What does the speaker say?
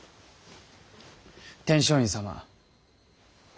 天璋院様。